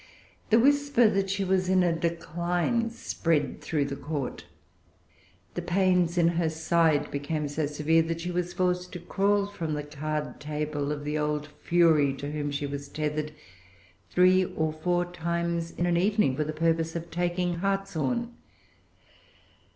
The whisper that she was in a decline spread through the Court. The pains in her side became so severe that she was forced to crawl from the card table of the old Fury to whom she was tethered, three or four times in an evening, for the purpose of taking hartshorn.